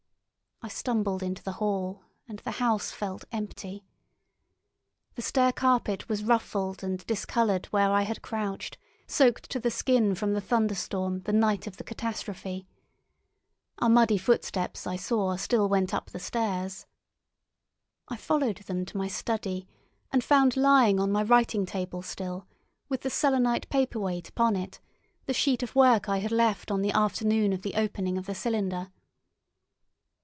I stumbled into the hall, and the house felt empty. The stair carpet was ruffled and discoloured where I had crouched, soaked to the skin from the thunderstorm the night of the catastrophe. Our muddy footsteps I saw still went up the stairs. I followed them to my study, and found lying on my writing table still, with the selenite paper weight upon it, the sheet of work I had left on the afternoon of the opening of the cylinder.